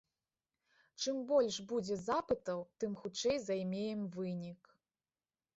Чым больш будзе запытаў, тым хутчэй займеем вынік.